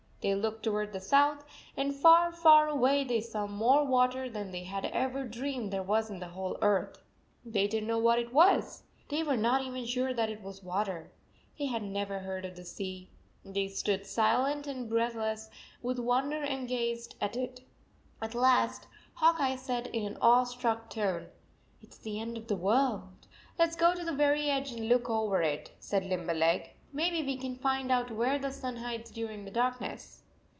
They looked toward the south, and far, far away they saw more water than they had ever dreamed there was in the whole earth. They did n t know what it was. They were not even sure that it was water. They had never heard of the sea. They stood silent and breathless with wonder and gazed at it. At last Hawk Eye said in an awestruck tone, "It s the end of the world/ " Let s go to the very edge and look over it," said Limberleg. " Maybe we can find out where the sun hides during the dark ness."